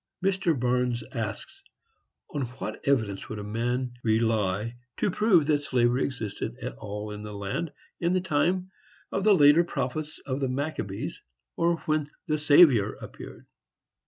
Mr. Barnes asks: On what evidence would a man rely to prove that slavery existed at all in the land in the time of the later prophets of the Maccabees, or when the Saviour appeared?